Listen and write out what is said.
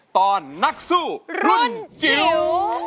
ตอนนักสู้รุ่นจิ๋ว